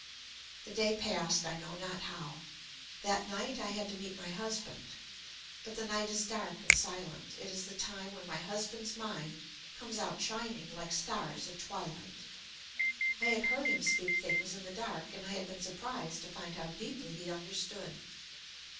"The day passed, I know not how. That night I had to meet my husband. But the night is dark and silent. It is the time when my husband's mind comes out shining, like stars at twilight. I had heard him speak things in the dark, and I had been surprised to find how deeply he understood.